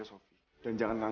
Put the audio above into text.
oh ini enggak